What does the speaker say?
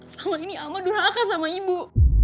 selama ini ama durhaka sama ibu